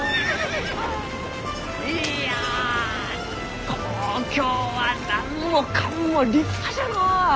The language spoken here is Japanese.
いや東京は何もかんも立派じゃのう！